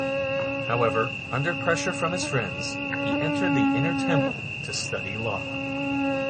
However, under pressure from his friends, he entered the Inner Temple to study law.